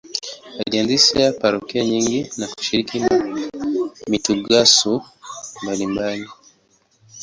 Alianzisha parokia nyingi na kushiriki mitaguso mbalimbali.